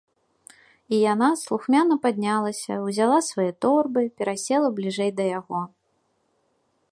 І яна слухмяна паднялася, узяла свае торбы, перасела бліжэй да яго.